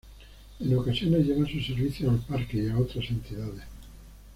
En ocasiones llevan sus servicios al parque y a otras entidades.